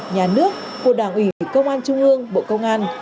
nhà nước của đảng ủy công an trung ương bộ công an